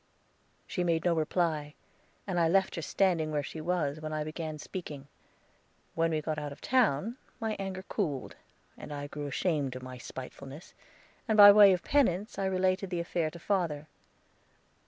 She made no reply, and I left her standing where she was when I began speaking. When we got out of town, my anger cooled, and I grew ashamed of my spitefulness, and by way of penance I related the affair to father.